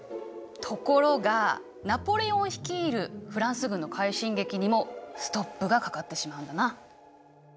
ところがナポレオン率いるフランス軍の快進撃にもストップがかかってしまうんだな。